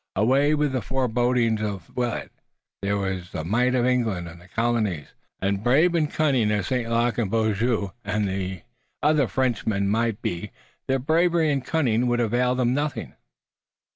Away with the forebodings of Willet! Here was the might of England and the colonies, and, brave and cunning as St. Luc and Beaujeu and the other Frenchmen might be their bravery and cunning would avail them nothing.